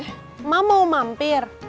emak mau mampir